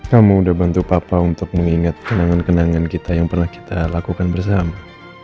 kamu udah bantu papa untuk mengingat kenangan kenangan kita yang pernah kita lakukan bersama